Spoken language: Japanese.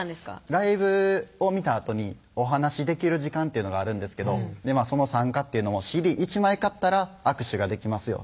ライブを見たあとにお話できる時間っていうのがあるんですけど参加というのもＣＤ１枚買ったら握手ができますよ